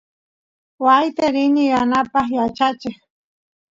waayta rini yanapaq yachacheq